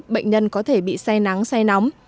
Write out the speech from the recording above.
bệnh nhân có thể bị say nắng say nóng